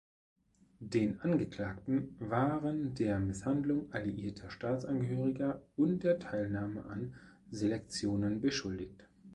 Den Angeklagten waren der Misshandlung alliierter Staatsangehöriger und der Teilnahme an Selektionen beschuldigt.